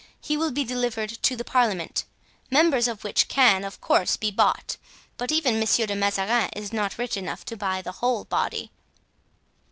He will be delivered to the parliament, members of which can, of course, be bought, but even Monsieur de Mazarin is not rich enough to buy the whole body."